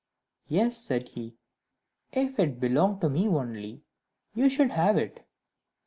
"Yes," said he, "if it belonged to me only, you should have it."